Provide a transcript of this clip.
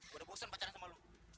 gua udah bosan pacaran sama lo